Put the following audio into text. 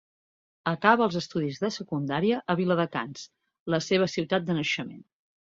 Acaba els estudis de secundària a Viladecans, la seva ciutat de naixement.